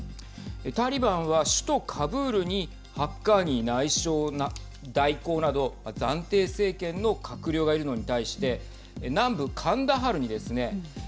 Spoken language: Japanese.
タリバンは首都カブールにハッカーニ内相代行など暫定政権の閣僚がいるのに対して南部カンダハルにですね